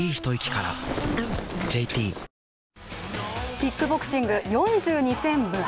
キックボクシング４２戦無敗。